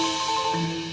silakan pak komar